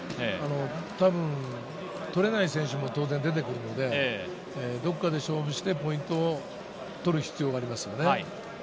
たぶん取れない選手も当然出てくるので、どこかで勝負してポイントを取る必要があります。